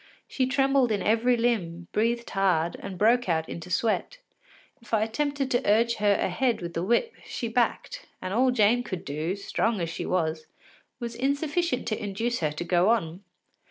She trembled in every limb, breathed hard, and broke out into sweat. If I attempted to urge her ahead with the whip, she backed, and all Jane could do, strong as she was, was insufficient to induce her to go on.